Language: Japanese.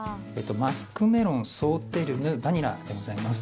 マスクメロンソーテルヌバニラでございます。